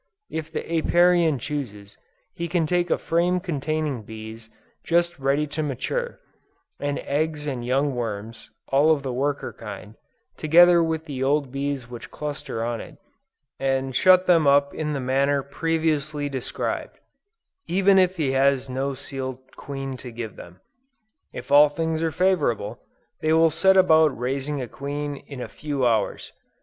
If the Apiarian chooses, he can take a frame containing bees just ready to mature, and eggs and young worms, all of the worker kind, together with the old bees which cluster on it, and shut them up in the manner previously described; even if he has no sealed queen to give them. If all things are favorable, they will set about raising a queen in a few hours.